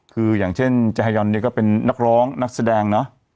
คืออย่างเช่นจาฮยอนเนี่ยก็เป็นนักร้องนักแสดงเนอะ